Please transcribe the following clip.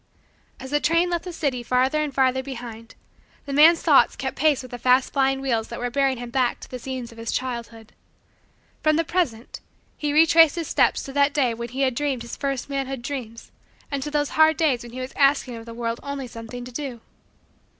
As the train left the city farther and farther behind, the man's thoughts kept pace with the fast flying wheels that were bearing him back to the scenes of his childhood. From the present, he retraced his steps to that day when he had dreamed his first manhood dreams and to those hard days when he was asking of the world only something to do.